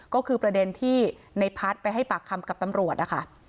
ก็คือประเด็นที่ในพัฒน์ไปให้ปากคำกับตำรวจนะคะ